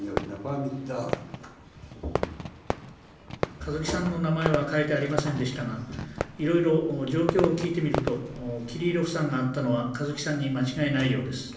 香月さんの名前は書いてありませんでしたがいろいろ状況を聞いてみるとキリーロフさんが会ったのは香月さんに間違いないようです。